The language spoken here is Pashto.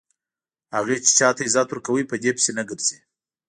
هغه چې چاته عزت ورکوي په دې پسې نه ګرځي.